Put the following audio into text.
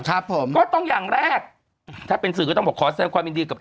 ครับผมก็ต้องอย่างแรกถ้าเป็นสื่อก็ต้องบอกขอแสดงความยินดีกับ